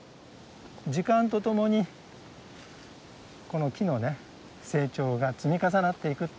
時間と共にこの木のね成長が積み重なっていくっていう感じ。